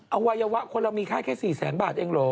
เอาไว้เอาวะคนเรามีค่าแค่๔๐๐บาทเองโห